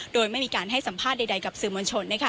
โดยไม่มีการให้สัมภาษณ์ใดกับสื่อมวลชน